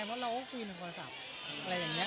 เพราะเราก็คุยในโทรศัพท์อะไรอย่างนี้